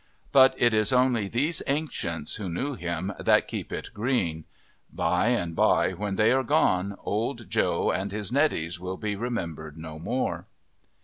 But it is only these ancients who knew him that keep it green; by and by when they are gone Old Joe and his neddies will be remembered no more.